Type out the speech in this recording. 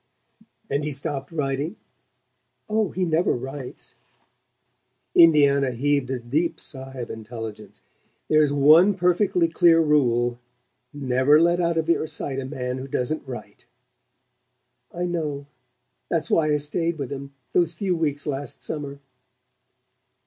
"And he stopped writing?" "Oh, he never writes." Indiana heaved a deep sigh of intelligence. "There's one perfectly clear rule: never let out of your sight a man who doesn't write." "I know. That's why I stayed with him those few weeks last summer...."